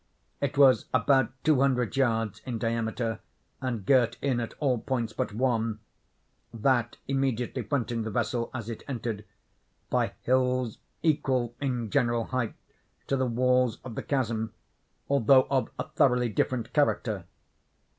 It was about two hundred yards in diameter, and girt in at all points but one—that immediately fronting the vessel as it entered—by hills equal in general height to the walls of the chasm, although of a thoroughly different character.